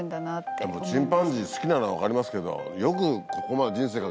でもチンパンジー好きなのは分かりますけどよく。